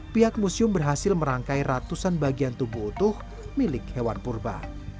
pihak museum berhasil merangkai ratusan bagian tubuh utuh milik hewan purba